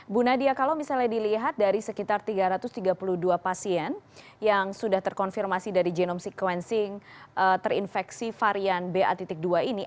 bu nadia kalau misalnya dilihat dari sekitar tiga ratus tiga puluh dua pasien yang sudah terkonfirmasi dari genome sequencing terinfeksi varian ba dua ini